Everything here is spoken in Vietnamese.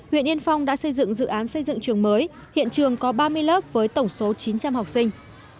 huyện yên phong đã xây dựng dự án xây dựng trường mới hiện trường có ba mươi lớp với tổng số chín trăm linh học sinh